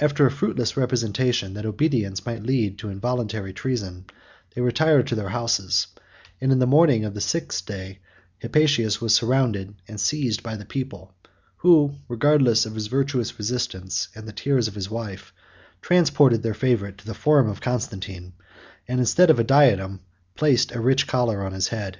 After a fruitless representation, that obedience might lead to involuntary treason, they retired to their houses, and in the morning of the sixth day, Hypatius was surrounded and seized by the people, who, regardless of his virtuous resistance, and the tears of his wife, transported their favorite to the forum of Constantine, and instead of a diadem, placed a rich collar on his head.